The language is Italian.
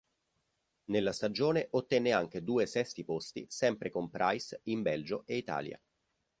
Nella stagione ottenne anche due sesti posti sempre con Pryce in Belgio e Italia.